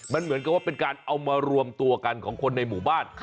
มันเหมือนกับว่าเป็นการเอามารวมตัวกันของคนในหมู่บ้าน